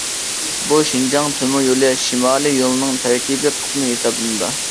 بۇ شىنجاڭ تۆمۈريولى شىمالىي يولىنىڭ تەركىبىي قىسمى ھېسابلىنىدۇ.